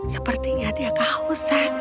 sepertinya dia kehausan